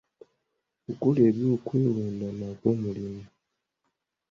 Okukola ebyokwewunda nagwo mulimu.